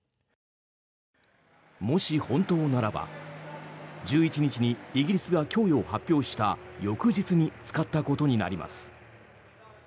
もし本当ならば１１日にイギリスが供与を発表した翌日に使ったことになります。